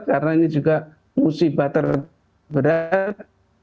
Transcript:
karena ini juga musibah terberat